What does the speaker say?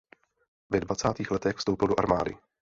Ve dvacátých letech vstoupil do armády.